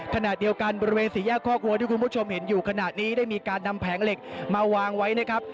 ขณะเดียวกันบริเวณสี่แยกคอกวัวที่คุณผู้ชมเห็นอยู่ขณะนี้ได้มีการนำแผงเหล็กมาวางไว้นะครับ